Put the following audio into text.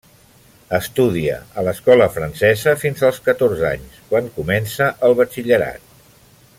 Estudia a l'Escola Francesa fins als catorze anys, quan comença el batxillerat.